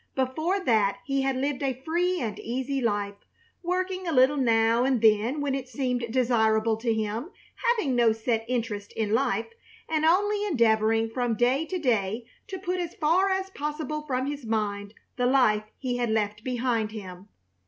Before that he had lived a free and easy life, working a little now and then when it seemed desirable to him, having no set interest in life, and only endeavoring from day to day to put as far as possible from his mind the life he had left behind him.